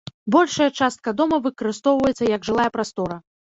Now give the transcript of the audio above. Большая частка дома выкарыстоўваецца як жылая прастора.